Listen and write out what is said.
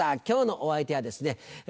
今日のお相手はですね